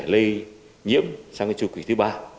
lây nhiễm sang cái chủ quỷ thứ ba